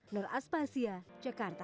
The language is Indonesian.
nur aspasya jakarta